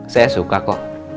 saya suka kok